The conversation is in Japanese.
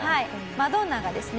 マドンナがですね